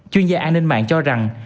chuyên gia an ninh mạng cho rằng